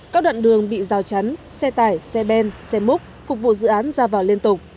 các đoạn đường bị rào chắn xe tải xe ben xe múc phục vụ dự án ra vào liên tục